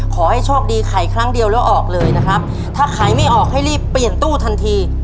ขอให้โชคดีขายครั้งเดียวแล้วออกเลยนะครับถ้าขายไม่ออกให้รีบเปลี่ยนตู้ทันที